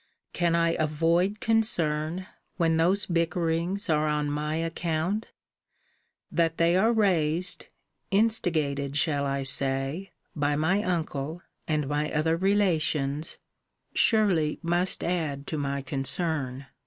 Can I avoid concern, when those bickerings are on my account? That they are raised (instigated shall I say?) by my uncle, and my other relations, surely must add to my concern.